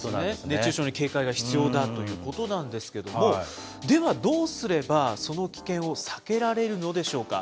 熱中症に警戒が必要だということなんですけれども、ではどうすれば、その危険を避けられるのでしょうか。